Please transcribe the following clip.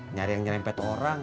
nyari yang nyerempet orang